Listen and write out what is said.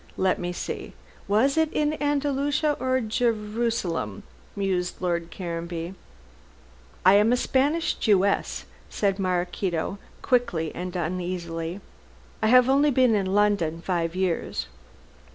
Let me see, was it in Andalusia or Jerusalem?" mused Lord Caranby. "I am a Spanish Jewess," said Maraquito, quickly and uneasily, "I have only been in London five years."